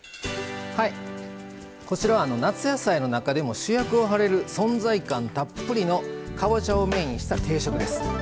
こちらは夏野菜の中でも主役を張れる存在感たっぷりのかぼちゃをメインにした定食です。